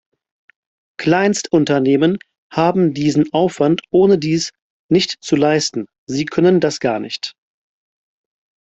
Kleinstunternehmen haben diesen Aufwand ohnedies nicht zu leisten, sie können das gar nicht.